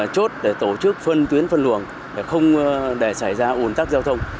chốt để tổ chức phân tuyến phân luồng để không xảy ra ổn tắc giao thông